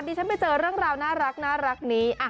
ฉันไปเจอเรื่องราวน่ารักนี้